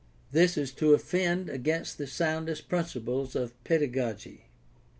This is to offend against the soundest principles of pedagogy.